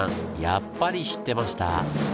やっぱり知ってました？